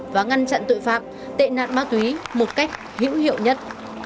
và ngăn chặn tội phạm tệ nạn ma túy một cách hữu hiệu nhất